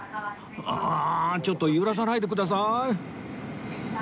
ああちょっと揺らさないでください